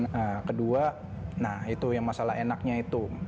nah kedua nah itu yang masalah enaknya itu